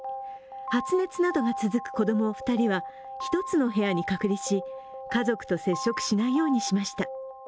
発熱などが続く子供２人は１つの部屋に隔離し、家族と接触しないようにしました。